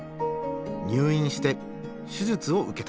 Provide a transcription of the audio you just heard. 入院して手術を受けた。